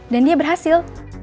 dan dia berhasil